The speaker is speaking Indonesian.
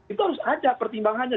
itu harus ada pertimbangannya